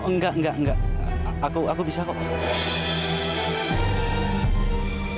enggak enggak enggak aku aku bisa kok